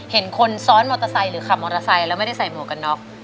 เห็นคนซ้อนมอเตอร์ไซค์หรือขับมอเตอร์ไซค์แล้วไม่ได้ใส่หมวกกันน็อก